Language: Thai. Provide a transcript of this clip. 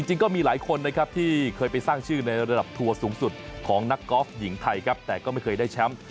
จริงก็มีหลายคนนะครับที่เคยไปสร้างชื่อในระดับทัวร์สูงสุดของนักกอล์ฟหญิงไทยครับแต่ก็ไม่เคยได้แชมป์